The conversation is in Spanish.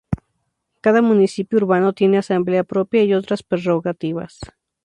Cada municipio urbano tiene asamblea propia y otras prerrogativas.